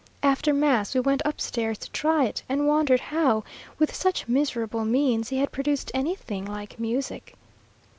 After mass we went upstairs to try it, and wondered how, with such miserable means, he had produced anything like music.